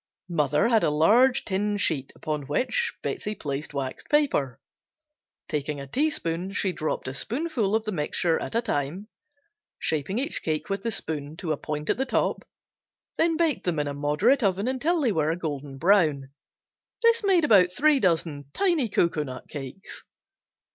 Mother had a large tin sheet upon which Betsey placed waxed paper. Taking a teaspoon she dropped a spoonful of the mixture at a time, shaping each cake with the spoon to a point at the top, then baked in a moderate oven until they were a golden brown. This made about three dozen tiny cocoanut cakes.